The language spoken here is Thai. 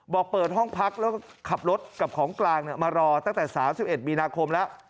บอกเปิดห้องพักแล้วก็ขับรถกับของกลางมารอตั้งแต่๓๑มีนาคมแล้ว